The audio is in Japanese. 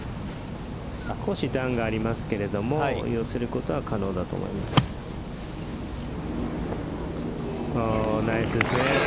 少し段がありますけど寄せることは可能だと思います。